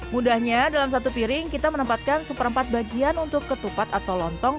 mudahnya dalam satu piring kita menempatkan seperempat bagian untuk ketupat atau lontong